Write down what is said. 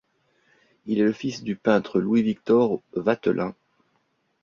Il est le fils du peintre Louis Victor Watelin.